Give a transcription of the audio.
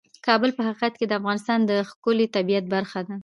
کابل په حقیقت کې د افغانستان د ښکلي طبیعت برخه ده.